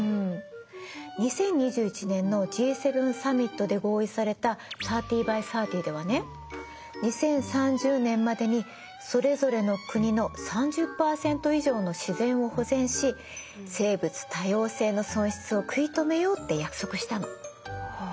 ２０２１年のＧ７サミットで合意された３０ｂｙ３０ではね２０３０年までにそれぞれの国の３０％以上の自然を保全し生物多様性の損失を食い止めようって約束したの。